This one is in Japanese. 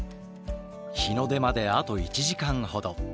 日の出まであと１時間ほど。